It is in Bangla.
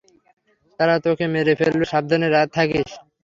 তারা তোকে মেরে ফেলবে, সাবধানে থাকিস।